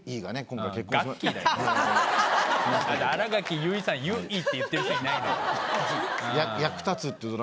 新垣結衣さん「ユッイー」って言ってる人いないんだよ。